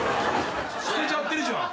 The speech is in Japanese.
捨てちゃってるじゃん。